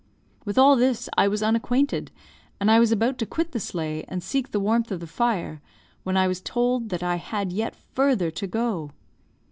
With all this I was unacquainted; and I was about to quit the sleigh and seek the warmth of the fire when I was told that I had yet further to go.